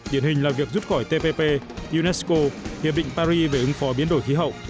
điển hình là việc rút khỏi tppp unesco hiệp định paris về ứng phó biến đổi khí hậu